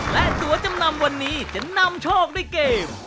และตัวจำนำวันนี้จะนำโชคด้วยเกม